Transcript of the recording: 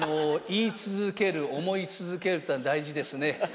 言い続ける、思い続けるというのは大事ですね。